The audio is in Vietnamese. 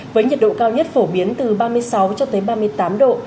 với nhiệt độ cao nhất phổ biến từ ba mươi sáu cho tới ba mươi tám độ